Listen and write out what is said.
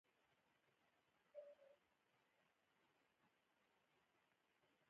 تر کېږدۍ ووت، ودرېد، کوچي ته يې مخ ور واړاوه، په وېره يې وويل: